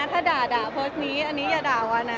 ถ้าด่าโพสต์นี้อันนี้อย่าด่าว่านะ